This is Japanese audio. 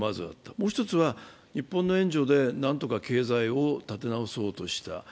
もう１つは、日本の援助でなんとか経済を立て直そうとした。